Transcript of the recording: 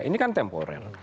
ini kan temporer